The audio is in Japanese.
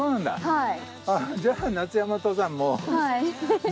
はい。